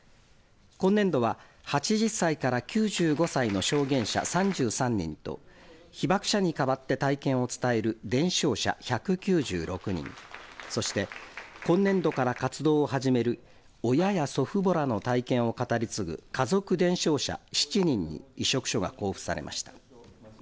今年度は８０歳から９５歳の証言者３３人と被爆者に代わって体験を伝える伝承者１９６人そして今年度から活動を始める親や祖父母らの体験を語り継ぐ家族伝承者７人に委嘱書が交付されました。